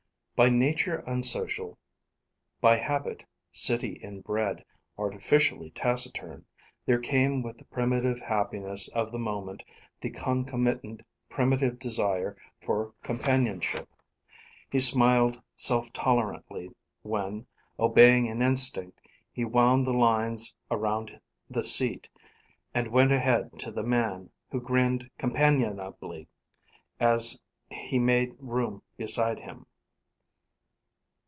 By nature unsocial, by habit, city inbred, artificially taciturn, there came with the primitive happiness of the moment the concomitant primitive desire for companionship. He smiled self tolerantly when, obeying an instinct, he wound the lines around the seat, and went ahead to the man, who grinned companionably as he made room beside him.